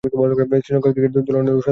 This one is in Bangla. শ্রীলঙ্কা ক্রিকেট দলের অন্যতম সদস্য তিনি।